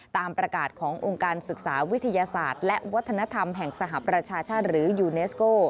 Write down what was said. ตามประกาศขององค์การศึกษาวิทยาศาสตร์และวัฒนธรรมแห่งสหประชาชาติหรือยูเนสโก